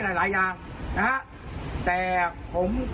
ถ้าเธอเหตุการณ์เหมือนงี้